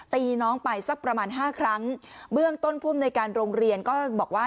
ตีน้องไปสักประมาณห้าครั้งเบื้องต้นภูมิในการโรงเรียนก็บอกว่า